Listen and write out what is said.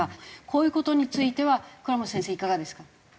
こういう事については倉持先生いかがですか？